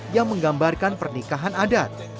yang menggambarkan pernikahan adat